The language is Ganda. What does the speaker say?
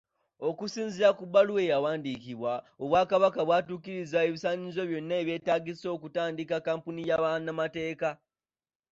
Okusinziira ku bbaluwa eyawandikiddwa, Obwakabaka bwatuukirizza ebisaanyizo byonna ebyetaagisa okutandika kampuni ya bannamateeka.